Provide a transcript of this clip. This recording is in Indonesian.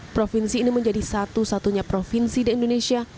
provinsi ini menjadi satu satunya provinsi di indonesia